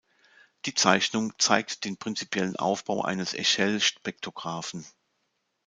Die Zeichnung zeigt den prinzipiellen Aufbau eines Échelle-Spektrographen.